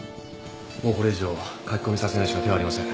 もうこれ以上書き込みさせないしか手はありません。